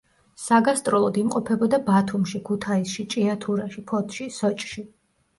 საგასტროლოდ იმყოფებოდა ბათუმში, ქუთაისში, ჭიათურაში, ფოთში, სოჭში.